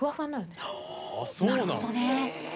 おなるほどね。